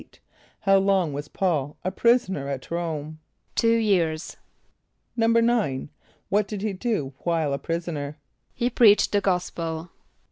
= How long was P[a:]ul a prisoner at R[=o]me? =Two years.= =9.= What did he do while a prisoner? =He preached the gospel.